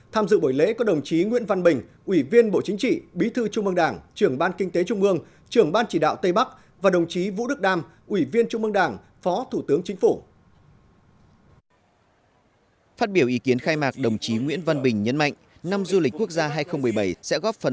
tham dự buổi lễ có đồng chí nguyễn văn bình ủy viên bộ chính trị bí thư trung mương đảng trưởng ban kinh tế trung ương trưởng ban chỉ đạo tây bắc và đồng chí vũ đức đam ủy viên trung mương đảng phó thủ tướng chính phủ